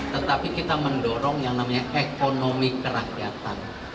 tetapi kita mendorong yang namanya ekonomi kerakyatan